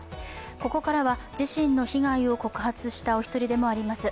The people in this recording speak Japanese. ここからは自身の被害を告発したお一人でもあります